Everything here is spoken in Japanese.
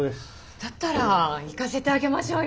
だったら行かせてあげましょうよ。